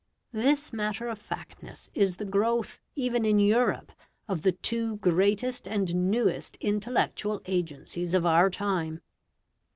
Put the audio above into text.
This matter of factness is the growth even in Europe of the two greatest and newest intellectual agencies of our time.